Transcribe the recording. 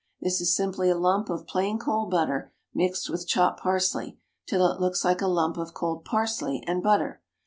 This is simply a lump of plain cold butter, mixed with chopped parsley, till it looks like a lump of cold parsley and butter.